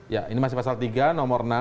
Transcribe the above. ya ini masih pasal tiga nomor enam